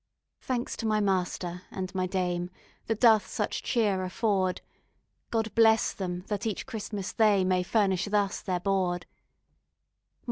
Thanks to my master and my dame That doth such cheer afford; God bless them, that each Christmas they May furnish thus their board.